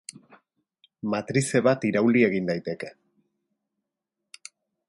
Matrize bat irauli egin daiteke.